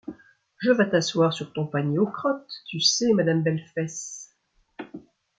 Je vas t’asseoir sur ton panier aux crottes, tu sais madame Belles-fesses !